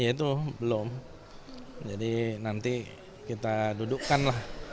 ya itu belum jadi nanti kita dudukkan lah